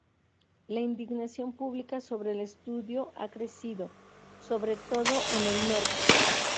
La indignación pública sobre el estudio ha crecido, sobre todo en el norte.